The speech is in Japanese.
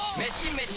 メシ！